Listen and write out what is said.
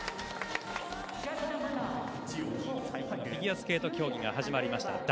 フィギュアスケート競技が始まりました。